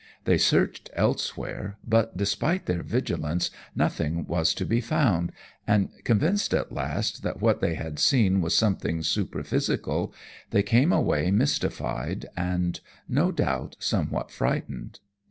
They searched elsewhere, but despite their vigilance, nothing was to be found, and convinced at last that what they had seen was something superphysical, they came away mystified, and no doubt somewhat frightened.